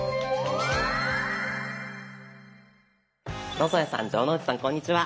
野添さん城之内さんこんにちは。